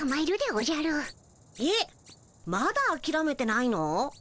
えっまだあきらめてないの？